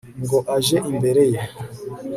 ngo age imbere ye